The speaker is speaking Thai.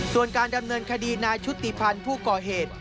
ส่วนการดำเนินคดีนายชุติพันธ์ผู้ก่อเหตุ